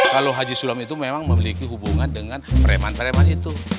kalau haji sulom itu memang memiliki hubungan dengan preman preman itu